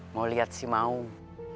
mau liat si maung